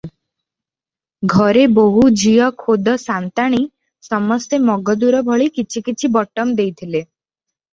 ଘରେ ବୋହୂ, ଝିଅ, ଖୋଦ ସାନ୍ତାଣୀ, ସମସ୍ତେ ମଗଦୁର ଭରି କିଛି କିଛି ବଟମ ଦେଇଥିଲେ ।